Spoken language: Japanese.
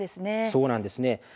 そうなんですね。